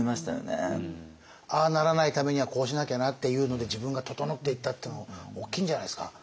ああならないためにはこうしなきゃなっていうので自分が整っていったっていうの大きいんじゃないですか？